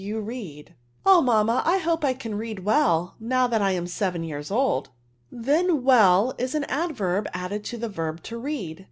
75 «( Ofa^ mamma^ I hope that I can read weE, now that I am seven years old. "" Then well is an adverb added to the verb to read.